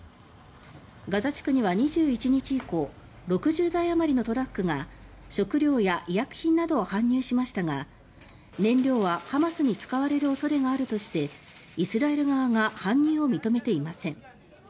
ガザ地区には２１日以降６０台余りのトラックが食料や医療品などを搬入しましたが燃料はハマスに使われる恐れがあるとしてイスラエル側が搬入を認めていません。